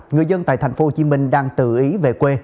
người dân tại thành phố hồ chí minh đang tự ý về quê